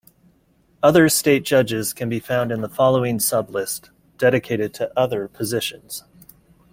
Other state judges can be found in the following sub-list dedicated to Other positions.